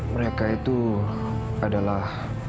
mereka itu adalah